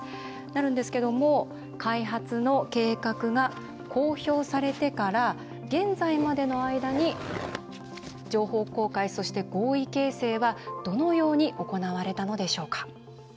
なるんですけども開発の計画が公表されてから現在までの間に情報公開そして合意形成はどのように行われたのでしょうか。